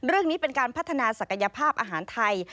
เรื่องนี้เป็นการพัฒนาศักยภาพอาหารไทย